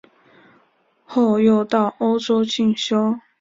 后又到欧洲进修。